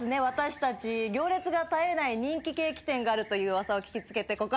私たち行列が絶えない人気ケーキ店があるという噂を聞き付けて